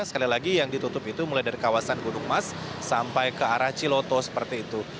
sekali lagi yang ditutup itu mulai dari kawasan gunung mas sampai ke arah ciloto seperti itu